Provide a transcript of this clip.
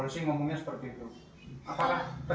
takut kalau mungkin dipukul atau apa